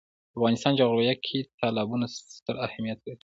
د افغانستان جغرافیه کې تالابونه ستر اهمیت لري.